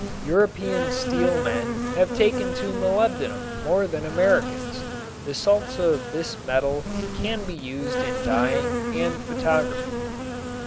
European steel men have taken to molybdenum more than Americans. The salts of this metal can be used in dyeing and photography.